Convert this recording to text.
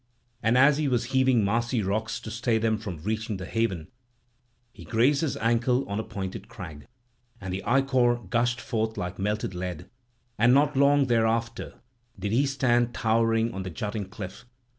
And as he was heaving massy rocks to stay them from reaching the haven, he grazed his ankle on a pointed crag; and the ichor gushed forth like melted lead; and not long thereafter did he stand towering on the jutting cliff.